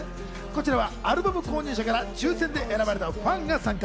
こちらはアルバム購入者から抽選で選ばれたファンが参加。